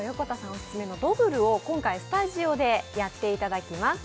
オススメのドブルを今回スタジオでやっていただきます。